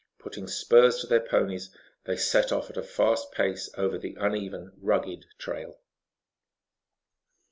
Putting spurs to their ponies, they set off at a fast pace over the uneven, rugged trail.